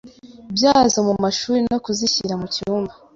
byazo mu mashuri no kuzishyira mu cyumba